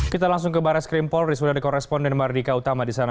kita langsung ke barat skrimpol disuruh dari koresponden mardika utama di sana